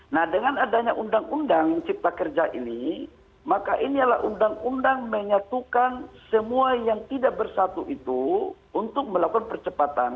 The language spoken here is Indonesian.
nah dengan adanya undang undang cipta kerja ini maka ini adalah undang undang menyatukan semua yang tidak bersatu itu untuk melakukan percepatan